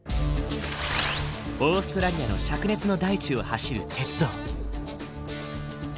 オーストラリアの灼熱の大地を走る鉄道。